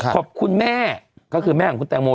ขอบคุณแม่ก็คือแม่ของคุณแตงโม